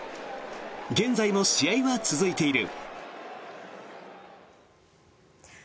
現在も試合は続いている。